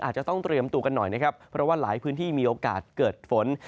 อาจจะต้องเตรียมตัวกันหน่อยนะครับเพราะว่าหลายพื้นที่มีโอกาสเกิดฝน